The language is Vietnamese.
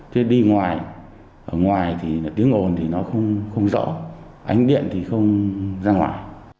thế đi ngoài ở ngoài thì tiếng ồn thì nó không rõ ánh điện thì không ra ngoài